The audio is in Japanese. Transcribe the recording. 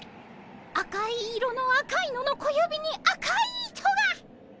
赤い色の赤いのの小指に赤い糸が！